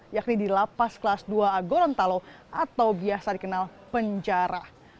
yakni di lapas kelas dua a gorontalo atau biasa dikenal penjara